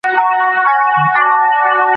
چي تا تر دې لا هم ښايسته كي ګراني !